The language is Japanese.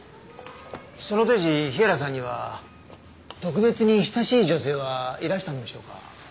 その当時日原さんには特別に親しい女性はいらしたのでしょうか？